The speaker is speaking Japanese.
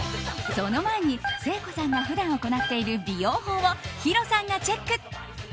その前に、誠子さんが普段行っている美容法をヒロさんがチェック。